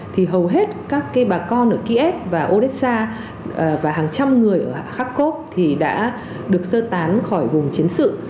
thì hầu hết các bà con ở kiev và odessa và hàng trăm người ở kharkov thì đã được sơ tán khỏi vùng chiến sự